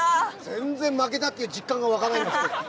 全然負けたという実感が湧かないんですが。